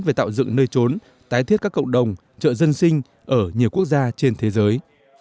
về tạo dựng nơi trốn tái thiết các cộng đồng chợ dân sinh ở nhiều quốc gia trên thế giới